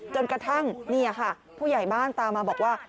จนกระทั่งนี่ค่ะผู้ใหญ่บ้านตามมาบอกว่า